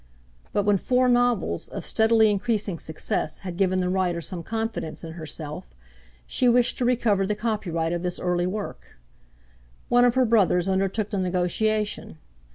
But when four novels of steadily increasing success had given the writer some confidence in herself, she wished to recover the copyright of this early work. One of her brothers undertook the negotiation.